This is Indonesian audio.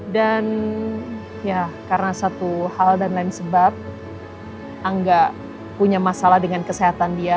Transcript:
dan ya karena satu hal dan lain sebab angga punya masalah dengan kesehatan dia